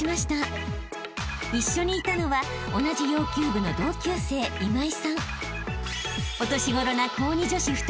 ［一緒にいたのは同じ洋弓部の同級生］いける？